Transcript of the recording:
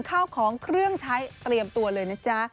ข้าวของเครื่องใช้เตรียมตัวเลยนะจ๊ะ